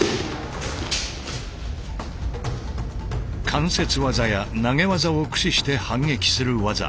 関節技や投げ技を駆使して反撃する技